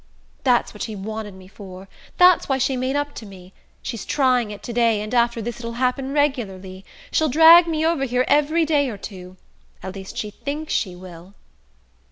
"That's what she's wanted me for...that's why she made up to me. She's trying it to day, and after this it'll happen regularly...she'll drag me over here every day or two...at least she thinks she will!"